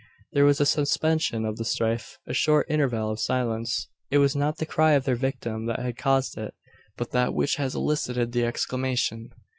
There was a suspension of the strife a short interval of silence. It was not the cry of their victim that had caused it, but that which had elicited the exclamation.